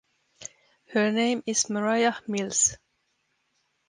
Her name is Mariah Mills.